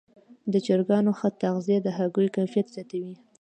د چرګانو ښه تغذیه د هګیو کیفیت زیاتوي.